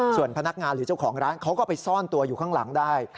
ส่วนพนักงานหรือเจ้าของร้านเขาก็ไปซ่อนตัวอยู่ข้างหลังได้